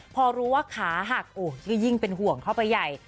พอรู้ว่าขาหักก็ยิ่งเป็นห่วงเข้าไปใหญ่